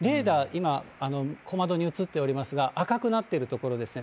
今、小窓に映っておりますが、赤くなってる所ですね。